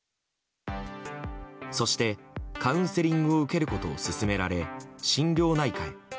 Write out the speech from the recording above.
そして、カウンセリングを受けることを勧められ心療内科へ。